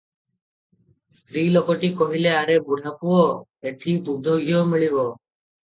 ସ୍ତ୍ରୀ ଲୋକଟି କହିଲେ, "ଆରେ ବୁଢ଼ାପୁଅ, ଏଠି ଦୁଧ ଘିଅ ମିଳିବ?